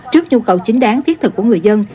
trước nhu cầu chính đáng thiết thực của người dân